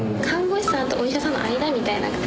看護師さんとお医者さんの間みたいな。